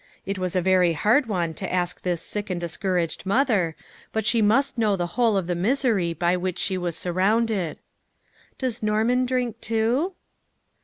It was a very hard one to ask this sick and discouraged mother, but she must know the whole of the misery by which she was sur rounded. "Does Norman drink too?"